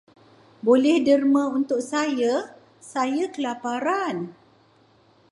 Boleh derma untuk saya, saya kelaparan.